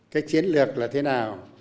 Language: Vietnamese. cái chiến lược là thế nào